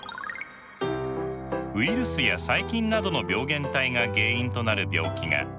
ウイルスや細菌などの病原体が原因となる病気が感染症です。